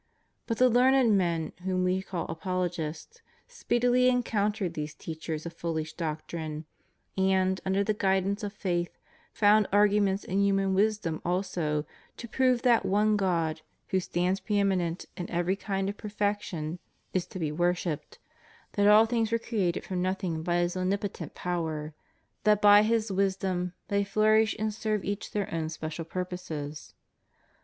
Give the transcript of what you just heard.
But the learned men whom We call apologists speedily encountered these teachers of foolish doctrine, and, under the guidance of faith, found arguments in human wisdom also to prove that one God, who stands pre eminent in every kind of perfection, is to be worshipped; that all things were created from nothing by His omnipotent power; that by His wisdom they flourish and serve each their own special purposes.